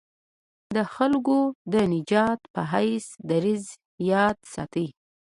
د خلکو د نجات په حیث دریځ یاد ساتي.